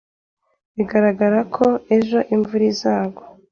Biragaragara ko ejo imvura izagwa.